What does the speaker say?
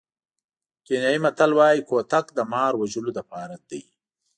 کینیايي متل وایي کوتک د مار وژلو لپاره دی.